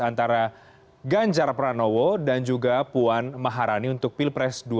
antara ganjar pranowo dan juga puan maharani untuk pilpres dua ribu dua puluh empat